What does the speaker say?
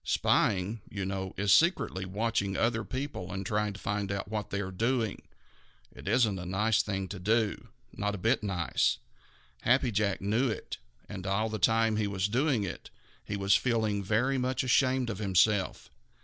Spying, you know, is secretly watching other people and trying to find out what they are doing. It isn't a nice thing to do, not a bit nice. Happy Jack knew it, and all the time he was doing it, he was feeling very much ashamed of himself.